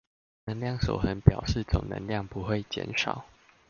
能量守恆表示總能量不會減少